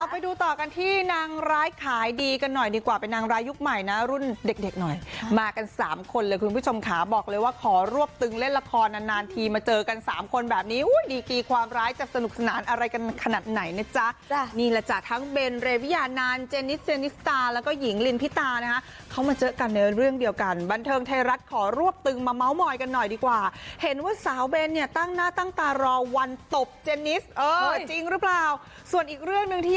ไปดูต่อกันที่นางร้ายขายดีกันหน่อยดีกว่าเป็นนางร้ายยุคใหม่นะรุ่นเด็กหน่อยมากันสามคนเลยคุณผู้ชมขาบอกเลยว่าขอรวบตึงเล่นละครนานทีมาเจอกันสามคนแบบนี้ดีกี่ความร้ายจะสนุกสนานอะไรกันขนาดไหนเนี่ยจ๊ะนี่ล่ะจ๊ะทั้งเบนเรเวียนานเจนิสเจนิสตาแล้วก็หญิงลินพิตานะฮะเข้ามาเจอกันในเรื่องเดียวกันบันเ